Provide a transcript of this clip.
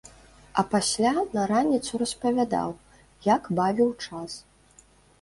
А пасля на раніцу распавядаў, як бавіў час.